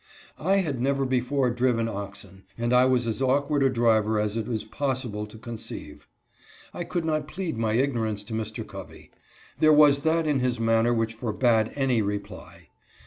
I had never before driven oxen and I was as awkward a driver as it is possible to con ceive. I could not plead my ignorance to Mr. Covey. There was that in his manner which forbade any reply.